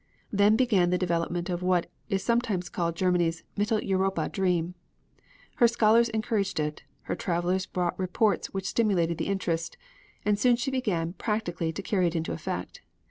Then began the development of what is sometimes called Germany's Mittel Europa dream. Her scholars encouraged it; her travelers brought reports which stimulated the interest, and soon she began practically to carry it into effect.